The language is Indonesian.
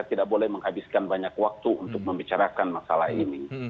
tidak boleh menghabiskan banyak waktu untuk membicarakan masalah ini